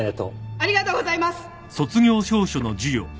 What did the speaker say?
ありがとうございます。